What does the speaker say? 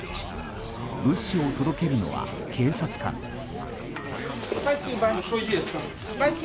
物資を届けるのは警察官です。